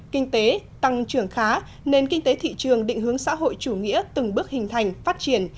kinh tế tăng trưởng khá nền kinh tế thị trường định hướng xã hội chủ nghĩa từng bước hình thành phát triển